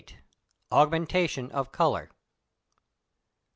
AUGMENTATION OF COLOUR.